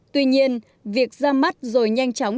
tuy nhiên việc ra mắt rồi nhanh chóng